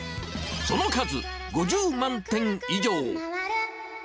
その数、５０万点以上。